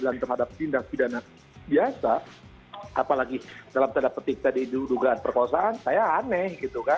terhadap tindak pidana biasa apalagi dalam tanda petik tadi itu dugaan perkosaan saya aneh